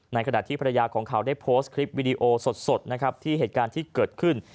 ขณะที่ภรรยาของเขาได้โพสต์คลิปวิดีโอสดนะครับที่เหตุการณ์ที่เกิดขึ้น